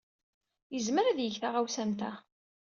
Yezmer ad yeg taɣawsa am ta.